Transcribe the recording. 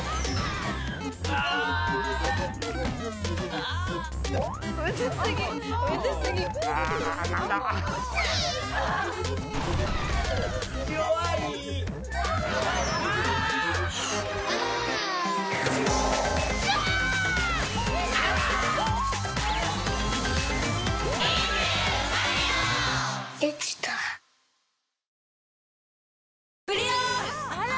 あら！